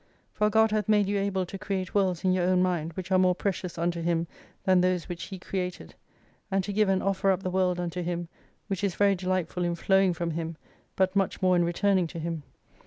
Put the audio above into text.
For God hath made you able to create worlds in your own mind which are more precious unto Him than those which He created ; and to give and offer up the world unto Him, which is very delightful in flowing from Him, but much more in returning to Him.